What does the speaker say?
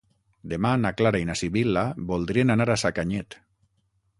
Demà na Clara i na Sibil·la voldrien anar a Sacanyet.